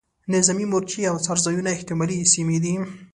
نظامي مورچې او څار ځایونه احتمالي سیمې دي.